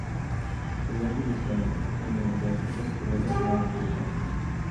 سىلەرگە دېسەم، ئۇنىڭ باشقا بىر چىرايلىق نامى بولغانىكەن.